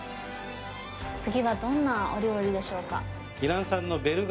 次はどんなお料理でしょうか？